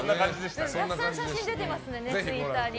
たくさん写真出てますのでツイッターに。